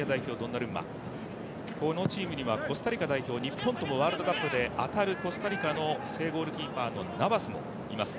このチームにはコスタリカ代表、日本ともワールドカップで当たる正ゴールキーパーのナバスもいます。